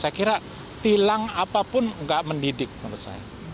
saya kira tilang apapun nggak mendidik menurut saya